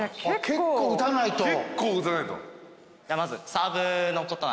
結構打たないと。